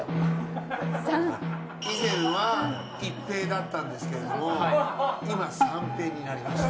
以前はいっ平だったんですけども今三平になりました。